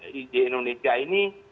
di indonesia ini